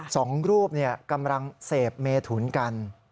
สองรูปกำลังเสพเมถุนกัน